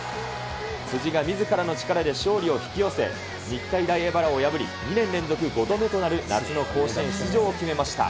辻がみずからの力で勝利を引き寄せ、日体大荏原を破り、２年連続５度目となる夏の甲子園出場を決めました。